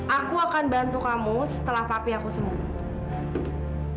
aku akan bantu kamu setelah papi aku sembuh